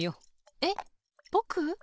えっぼく？